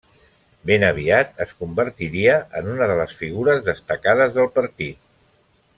Ben aviat es convertiria en una de les figures destacades del partit.